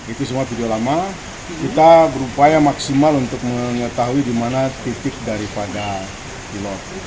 itu semua video lama kita berupaya maksimal untuk mengetahui di mana titik daripada pilot